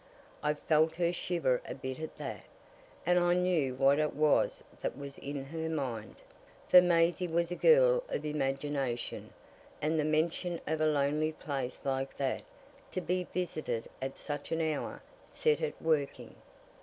I felt her shiver a bit at that, and I knew what it was that was in her mind, for Maisie was a girl of imagination, and the mention of a lonely place like that, to be visited at such an hour, set it working.